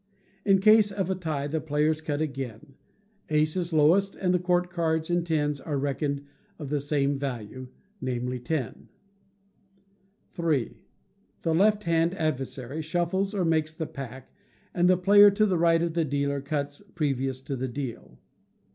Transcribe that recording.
In case of a tie, the players cut again. Ace is lowest, and the court cards and tens are reckoned of the same value, namely, ten. iii. The left hand adversary shuffles or makes the pack, and the player to the right of the dealer cuts previous to the deal.